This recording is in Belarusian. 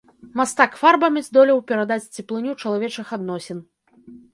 Мастак фарбамі здолеў перадаць цеплыню чалавечых адносін.